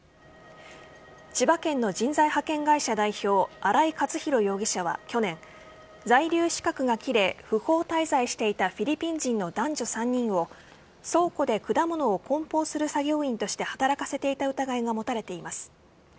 千葉県の人材派遣会社代表荒井克弘容疑者は去年在留資格が切れ不法滞在していたフィリピン人の男女３人を倉庫で果物を梱包する作業員として働かせていた疑いが持たれています。